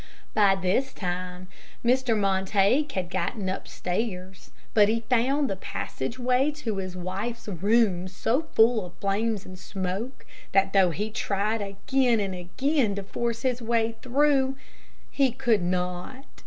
By this time Mr. Montague had gotten upstairs; but he found the passageway to his wife's room so full of flames and smoke, that, though he tried again and again to force his way through, he could not.